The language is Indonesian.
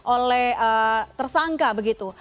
oleh tersangka begitu